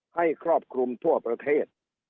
ครอบคลุมทั่วประเทศ